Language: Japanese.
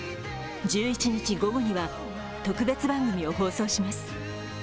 １１日午後には特別番組を放送します。